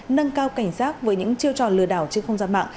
nâng cao cảnh sát với những chiêu trò lừa đảo trước không gian mạng